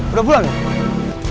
udah pulang gak